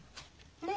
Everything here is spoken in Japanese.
ねえ。